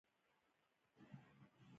د ویناوال درد او فعان پکې نغښتی دی.